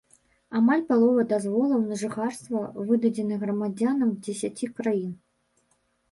Амаль палова дазволаў на жыхарства выдадзены грамадзянам дзесяці краін.